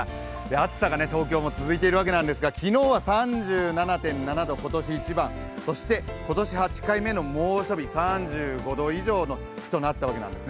暑さが東京も続いているわけなんですが昨日は３７．７度、今年一番、そして今年８回目の猛暑日、３５度以上の日となったわけです